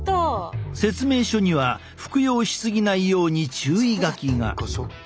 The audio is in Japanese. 説明書には服用し過ぎないように注意書きが。